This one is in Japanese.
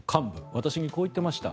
私にこう言っていました。